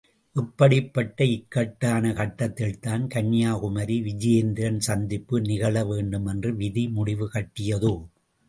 இப்படிப்பட்ட இக்கட்டான கட்டத்தில்தான் கன்யாகுமரி – விஜயேந்திரன் சந்திப்பு நிகழ வேண்டுமென்று விதி முடிவு கட்டியதோ?